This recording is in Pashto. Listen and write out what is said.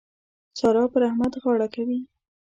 سارا پر احمد غاړه کوي.